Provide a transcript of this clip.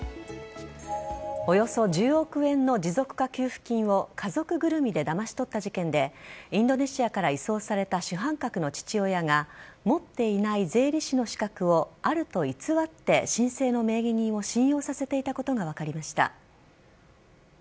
およそ１０億円の持続化給付金を家族ぐるみでだまし取った事件でインドネシアから移送された主犯格の父親が持っていない税理士の資格をあると偽って申請の名義人を信用させていたことが分かりました。